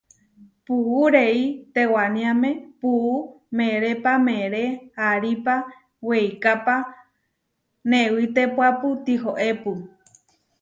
Puú rei tewániame puú merépa meeré aripá, weikápa newitépuapu tihoépu.